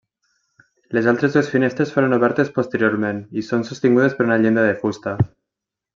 Les altres dues finestres foren obertes posteriorment i són sostingudes per una llinda de fusta.